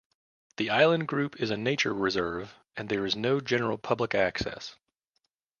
The island group is a nature reserve and there is no general public access.